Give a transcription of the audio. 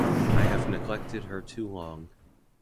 I have neglected her too long.